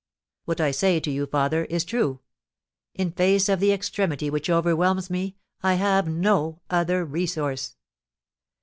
What I say to you, father, is true, in face of the extremity which overwhelms me, I have no other resource.